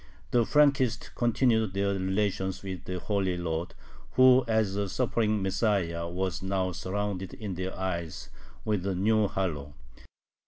The Frankists continued their relations with the "Holy Lord," who as a suffering Messiah was now surrounded in their eyes with a new halo.